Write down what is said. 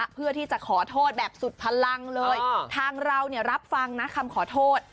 เพื่อที่จะขอโทษแบบสุดพลังเลยทางเราเนี่ยรับฟังนะคำขอโทษ